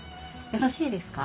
よろしいですか？